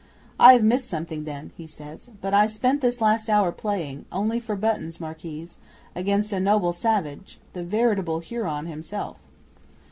'"I have missed something, then," he says. "But I spent this last hour playing only for buttons, Marquise against a noble savage, the veritable Huron himself."